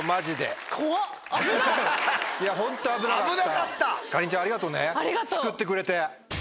かりんちゃんありがとね救ってくれて。